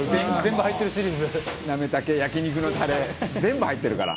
「なめ茸焼肉のタレ全部入ってるから」